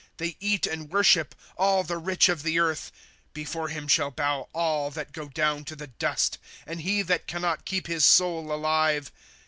2' They eat and worship, all the rich of the earth ; Before hira shall bow atl that go down to the dust, And he that can not keep his soul alive.